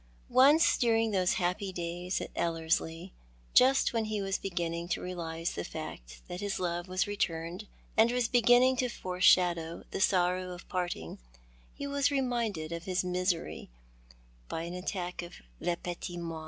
Once during those happy days at Ellerslie, just when he was beginning to realise the fact that his love was returned, and was beginning to foreshadow the sorrow of parting, he was reminded of his misery by an attack of " le petit mal."